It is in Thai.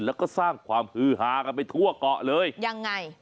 แล้วก็สร้างความฮือฮากันไปทั่วเกาะเลยยังไง